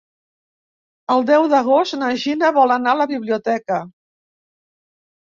El deu d'agost na Gina vol anar a la biblioteca.